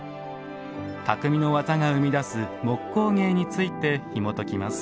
匠の技が生み出す木工芸について、ひもときます。